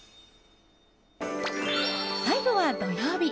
最後は土曜日。